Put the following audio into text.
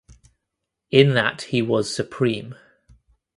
In that he was supreme.